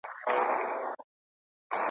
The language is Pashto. او محتاجه د لاسونو د انسان دي ,